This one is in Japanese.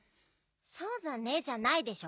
「そうだね」じゃないでしょ。